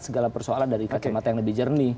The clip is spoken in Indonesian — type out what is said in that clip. segala persoalan dari kacamata yang lebih jernih